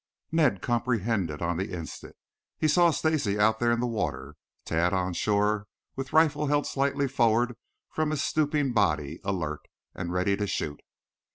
Ned comprehended on the instant. He saw Stacy out there in the water, Tad on shore with rifle held slightly forward from his stooping body, alert and ready to shoot.